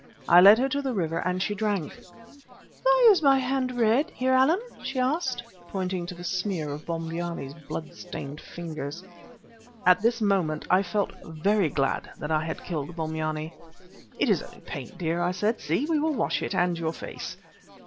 I led her to the river and she drank. "Why is my hand red, Heer Allan?" she asked, pointing to the smear of Bombyane's blood stained fingers. At this moment I felt very glad that I had killed Bombyane. "It is only paint, dear," I said; "see, we will wash it and your face."